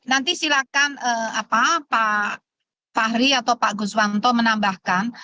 nanti silakan pak fahri atau pak guswanto menambahkan